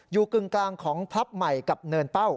อยู่กึ่งกลางของพราพไหมกับเนินเป้า